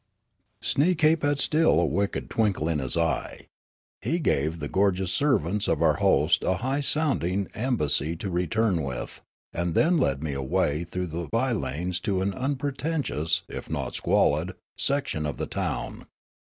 Sneekape had still a wicked twinkle in his eye. He gave the gorgeous servants of our host a high sounding embassy to return with, and then led me awa} through b5' lanes into an unpretentious, if not squalid, section of the town.